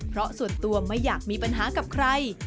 เพราะส่วนตัวไม่อยากมีปัญหากับใคร